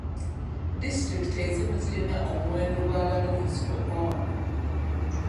Disitulikiti ezimu zirina omuwendo gw'abalonzi ogwa waggulu .